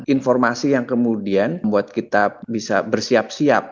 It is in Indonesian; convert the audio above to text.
informasi yang kemudian membuat kita bisa bersiap siap